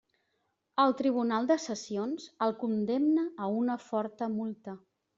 El tribunal de sessions el condemna a una forta multa.